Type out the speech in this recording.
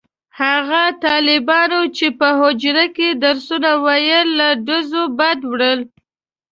هغه طالبانو چې په حجره کې درسونه ویل له ډزو بد وړل.